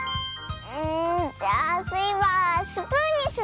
うんじゃあスイはスプーンにする！